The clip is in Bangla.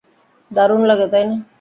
দারুণ লাগে, তাই না?